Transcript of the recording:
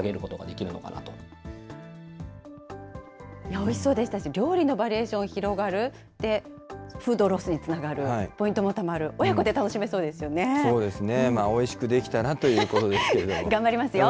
おいしそうでしたし、料理のバリエーション広がってフードロスにつながる、ポイントもたまる、そうですよね、おいしくできたなということですよね。